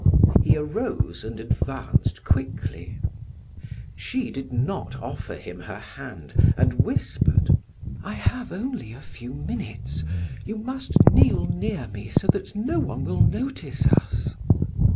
He arose and advanced quickly. She did not offer him her hand and whispered: "I have only a few minutes. You must kneel near me that no one will notice us."